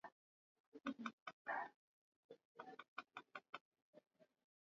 Pipa kwenda Marekani akakutana na wahusika wakasaini mkataba wa maisha kwamba atalipwa milele kutokana